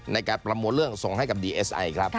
ในการประโมช์เรื่องส่งให้ดีเอสไอ